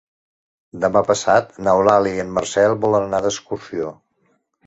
Demà passat n'Eulàlia i en Marcel volen anar d'excursió.